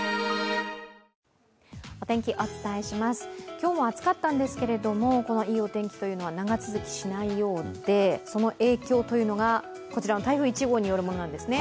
今日も暑かったんですけれども、いいお天気というのは長続きしないようで、その影響というのが台風１号によるものなんですね。